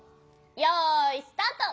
よいスタート。